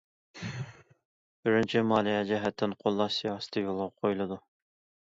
بىرىنچى، مالىيە جەھەتتىن قوللاش سىياسىتى يولغا قويۇلىدۇ.